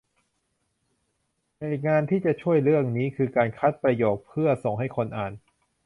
อีกงานที่จะช่วยเรื่องนี้ คือการคัดประโยคเพื่อส่งให้คนอ่าน